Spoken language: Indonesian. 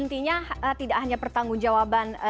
intinya tidak hanya pertanggung jawaban